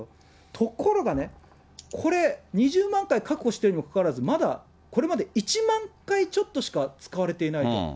ところがね、これ、２０万回確保しているにもかかわらず、まだこれまで１万回ちょっとしか使われていない。